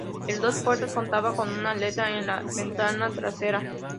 El dos puertas contaba con una aleta en la ventana trasera.